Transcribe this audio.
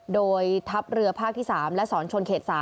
โดยทัพเรือภาคที่๓และสอนชนเขต๓